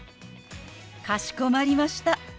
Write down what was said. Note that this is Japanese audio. かしこまりました。